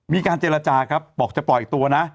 มีการเจรจาครับบอกจะปล่อยตัวนะ